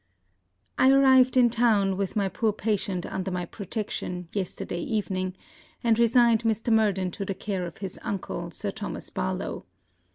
I arrived in town, with my poor patient under my protection, yesterday evening, and resigned Mr. Murden to the care of his uncle, Sir Thomas Barlowe.